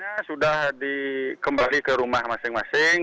ya sudah kembali ke rumah masing masing